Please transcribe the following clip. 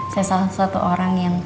saya salah satu orang yang